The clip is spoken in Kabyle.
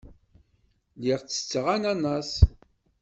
Lliɣ ttetteɣ ananaṣ.